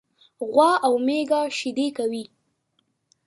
غوا او میږه شيدي کوي.